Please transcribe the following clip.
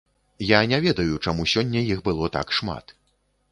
Я не ведаю, чаму сёння іх было так шмат.